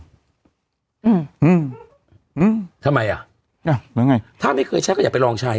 อืมอืมทำไมอ่ะอ้าวแล้วไงถ้าไม่เคยใช้ก็อย่าไปลองใช้